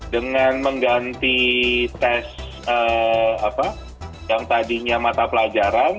dengan mengganti tes yang tadinya mata pelajaran